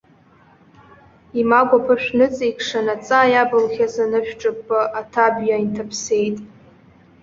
Имагә аԥышә ныҵеикшан, аҵаа иабылхьаз анышә ҿыппы аҭабиа инҭаԥсеит.